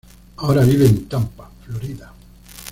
Ahora vive en Tampa, Florida.